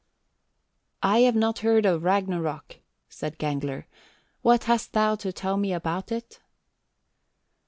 63. "I have not heard before of Ragnarok," said Gangler; "what hast thou to tell me about it?"